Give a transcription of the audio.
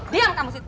diam kamu situ